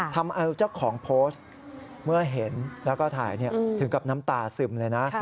ทำเอาเจ้าของโพสต์เมื่อเห็นแล้วก็ถ่ายถึงกับน้ำตาซึมเลยนะ